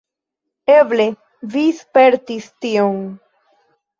Eble vi spertis tion.